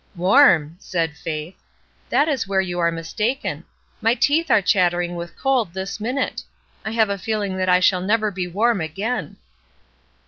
"Warm!" said Faith. "That is where you are mistaken. My teeth are chattering with cold, this minute ; I have a feeling that I shall never be warm again."